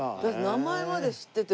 名前まで知ってて。